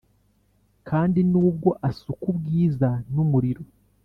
kandi nubwo asuka ubwiza n'umuriro